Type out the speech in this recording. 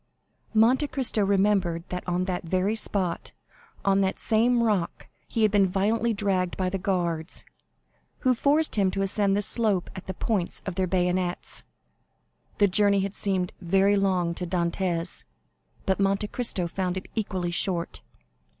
Monte Cristo remembered that on that very spot, on the same rock, he had been violently dragged by the guards, who forced him to ascend the slope at the points of their bayonets. The journey had seemed very long to Dantès, but Monte Cristo found it equally short.